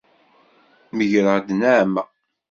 Megreɣ-d nneɛma.